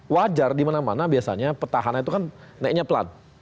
wajar dimana mana biasanya petahana itu kan naiknya pelan